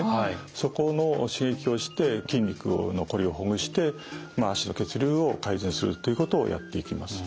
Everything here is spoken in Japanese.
そこの刺激をして筋肉のこりをほぐして足の血流を改善するということをやっていきます。